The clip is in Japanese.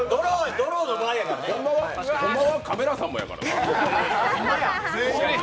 ホンマはカメラさんもやからな？